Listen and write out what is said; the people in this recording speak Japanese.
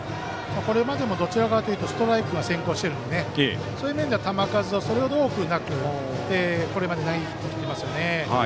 これまでもどちらかというとストライクが先行しているのでそういう面では球数はそれほど多くなくこれまで投げてますね。